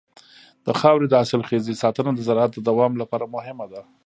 د خاورې د حاصلخېزۍ ساتنه د زراعت د دوام لپاره مهمه ده.